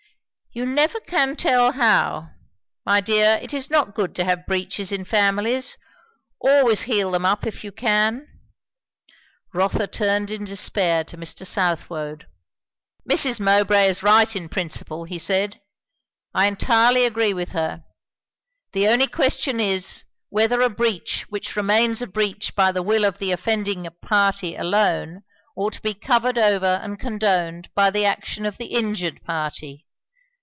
"You never can tell how. My dear, it is not good to have breaches in families. Always heal them up, if you can." Rotha turned in despair to Mr. Southwode. "Mrs. Mowbray is right, in principle," he said. "I entirely agree with her. The only question is, whether a breach which remains a breach by the will of the offending party alone, ought to be covered over and condoned by the action of the injured party."